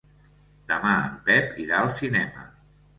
Demà en Pep irà al cinema.